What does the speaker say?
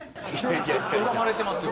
拝まれてますよ。